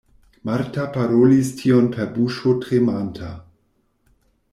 Marta parolis tion per buŝo tremanta.